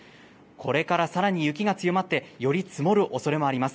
これからさらに雪が強まって、より積もるおそれもあります。